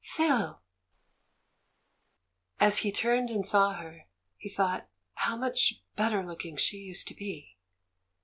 "Phil!" As he turned and saw her, he thought how much better looking she used to be.